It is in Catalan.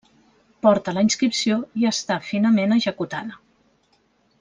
Porta la inscripció i està finament executada.